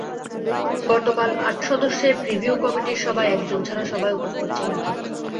গতকাল আট সদস্যের প্রিভিউ কমিটির সভায় একজন ছাড়া সবাই উপস্থিত ছিলেন।